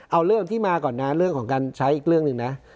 เอาเรื่องที่มาก่อนนะเรื่องของการใช้อีกเรื่องหนึ่งนะ